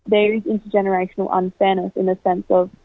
dan mereka bisa membeli uang untuk membeli rumah